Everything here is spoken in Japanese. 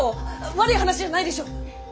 悪い話じゃないでしょう！？